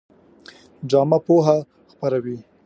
ډرامه پوهه خپروي